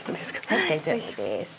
はい大丈夫です。